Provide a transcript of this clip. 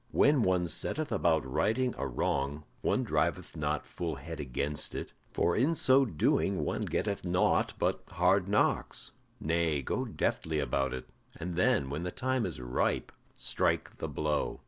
When one setteth about righting a wrong, one driveth not full head against it, for in so doing one getteth naught but hard knocks. Nay, go deftly about it, and then, when the time is ripe, strike the blow.